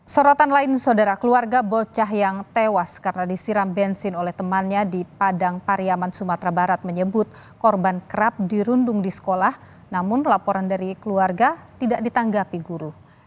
sorotan lain saudara keluarga bocah yang tewas karena disiram bensin oleh temannya di padang pariaman sumatera barat menyebut korban kerap dirundung di sekolah namun laporan dari keluarga tidak ditanggapi guru